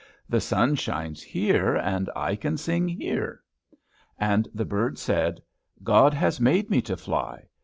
the sun shines here, and I can sing here." And the bird said, "God has made me to fly.